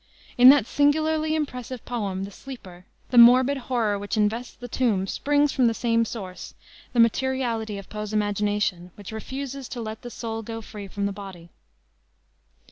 In that singularly impressive poem, the Sleeper, the morbid horror which invests the tomb springs from the same source, the materiality of Poe's imagination, which refuses to let the soul go free from the body.